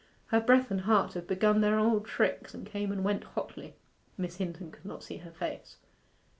Her breath and heart had begun their old tricks, and came and went hotly. Miss Hinton could not see her face.